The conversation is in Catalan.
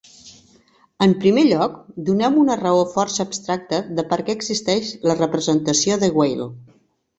En primer lloc, donem una raó força abstracta de per què existeix la representació de Weil.